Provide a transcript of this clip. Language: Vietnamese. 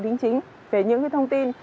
đính chính về những thông tin